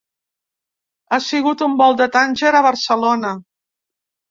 Ha sigut un vol de Tanger a Barcelona.